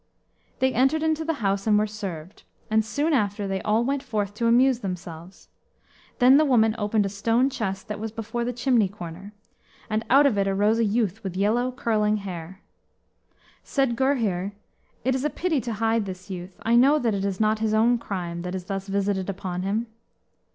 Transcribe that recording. They entered into the house and were served; and soon after, they all went forth to amuse themselves. Then the woman opened a stone chest that was before the chimney corner, and out of it arose a youth with yellow, curling hair. Said Gurhyr, "It is a pity to hide this youth. I know that it is not his own crime that is thus visited upon him."